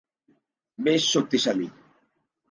বেশ শক্তিশালী।